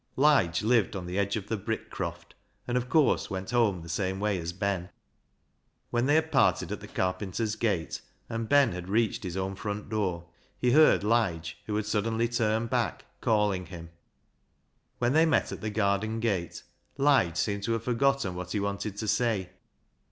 Lige lived on the edge of the Brickcroft, and, of course, went home the same way as Ben. When they had parted at the carpenter's gate, and Ben had reached his own front door, he heard Lige, who had suddenly turned back, calling him. When they met at the garden gate Lige seemed to have forgotten what he wanted to say.